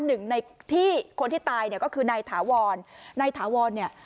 หนึ่งในที่คนที่ตายเนี่ยก็คือนายถาวรนายถาวรเนี่ย